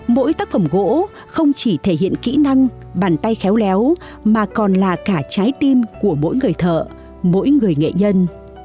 mỗi tác phẩm gỗ không chỉ thể hiện kỹ năng bàn tay khéo léo mà còn là cả trái tim của mỗi người thợ mỗi người nghệ nhân